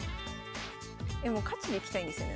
もう勝ちにいきたいんですよね